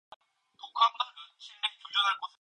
그들이 식당까지 왔을 때는 몇백 명의 여공들이 가뜩 들어앉았다.